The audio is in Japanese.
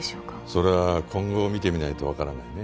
それは今後を見てみないと分からないね